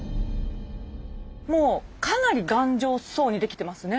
もうかなり頑丈そうに出来てますね。